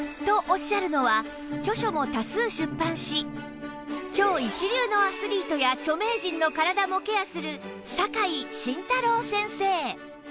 おっしゃるのは著書も多数出版し超一流のアスリートや著名人の体もケアする酒井慎太郎先生